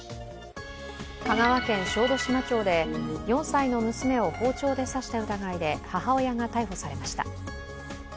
香川県小豆島町で４歳の娘を包丁で刺した疑いで母親が逮捕されました。